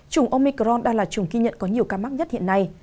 chủng omicron đang là chủng ghi nhận có nhiều ca mắc nhất hiện nay